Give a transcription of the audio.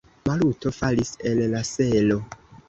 Maluto falis el la selo.